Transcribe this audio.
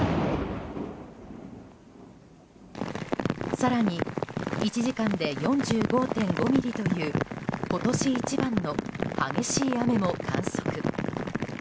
更に１時間で４５．５ミリという今年一番の激しい雨も観測。